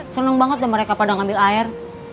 seneng banget deh mereka pada ngambil air